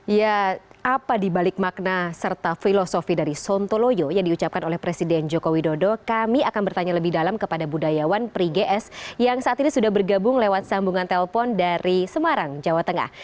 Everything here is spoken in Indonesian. ya apa dibalik makna serta filosofi dari sontoloyo yang diucapkan oleh presiden joko widodo kami akan bertanya lebih dalam kepada budayawan prigs yang saat ini sudah bergabung lewat sambungan telpon dari semarang jawa tengah